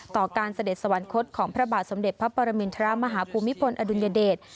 ต่อการเสด็จสวรรคตของพระบาทสมเด็จพระปรมินทรมาฮภูมิพลอดุลยเดช